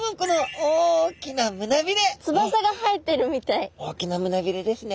大きな胸びれですね。